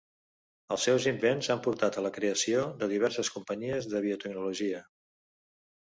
Els seus invents han portat a la creació de diverses companyies de biotecnologia.